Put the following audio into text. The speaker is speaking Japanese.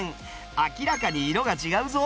明らかに色が違うぞ。